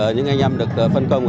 những anh em được phân công